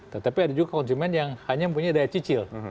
tetapi ada juga konsumen yang hanya mempunyai daya cicil